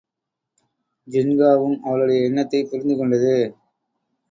ஜின்காவும் அவளுடைய எண்ணத்தைப் புரிந்துகொண்டது.